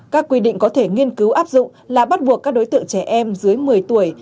các quy định có thể nghiên cứu áp dụng là bắt buộc các đối tượng trẻ em dưới một mươi tuổi